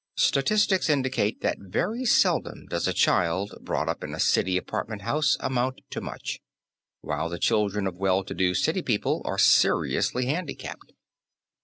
Statistics indicate that very seldom does a child, brought up in a city apartment house, amount to much; while the children of well to do city people are seriously handicapped.